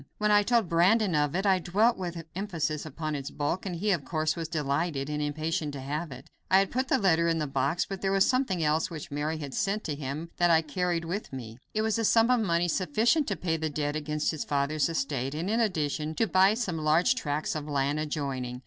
When I told Brandon of it, I dwelt with emphasis upon its bulk, and he, of course, was delighted, and impatient to have it. I had put the letter in the box, but there was something else which Mary had sent to him that I had carried with me. It was a sum of money sufficient to pay the debt against his father's estate, and in addition, to buy some large tracts of land adjoining.